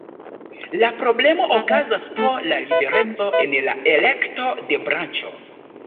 La problemo okazas pro la libereco en la elekto de branĉo.